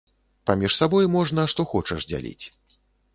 Паміж сабой можна што хочаш дзяліць.